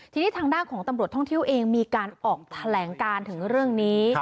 ทีนี้ทางด้านของตำรวจท่องเที่ยวเองมีการออกแถลงการถึงเรื่องนี้